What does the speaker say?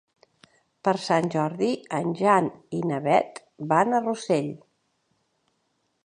Per Sant Jordi en Jan i na Beth van a Rossell.